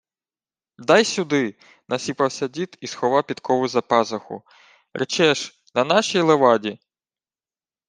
— Дай сюди — насіпався дід і сховав підкову за пазуху. — Речеш, на нашій леваді?